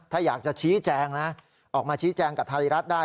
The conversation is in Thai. ถ้าอยากจะชี้แจงนะออกมาชี้แจงกับไทยรัฐได้